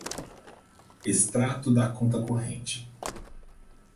Extrato da conta corrente